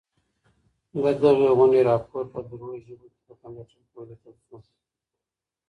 د دغي غونډې راپور په درو ژبو کي په کمپیوټر کي ولیکل سو.